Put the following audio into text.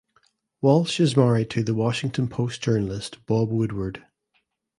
Walsh is married to "The Washington Post" journalist Bob Woodward.